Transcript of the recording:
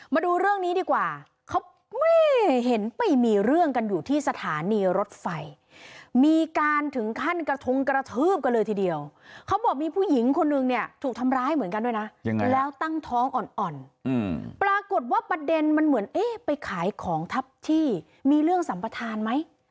มาดูเรื่องนี้ดีกว่าเขาแม่เห็นไปมีเรื่องกันอยู่ที่สถานีรถไฟมีการถึงขั้นกระทงกระทืบกันเลยทีเดียวเขาบอกมีผู้หญิงคนนึงเนี่ยถูกทำร้ายเหมือนกันด้วยนะยังไงแล้วตั้งท้องอ่อนอ่อนปรากฏว่าประเด็นมันเหมือนเอ๊ะไปขายของทับที่มีเรื่องสัมปทานไหม